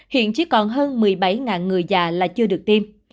hiện chỉ còn hơn một mươi bảy người già là chưa được tiêm